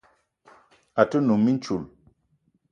A te num mintchoul